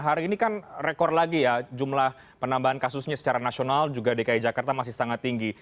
hari ini kan rekor lagi ya jumlah penambahan kasusnya secara nasional juga dki jakarta masih sangat tinggi